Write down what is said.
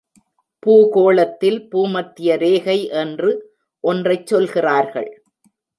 பூகோளத்தில் பூமத்திய ரேகை என்று ஒன்றைச் சொல்கிறார்கள்.